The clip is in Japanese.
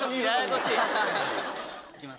行きます。